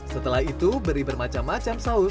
setelah itu beri bermacam macam saus